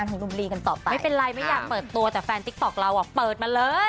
อันนี้พูดจริง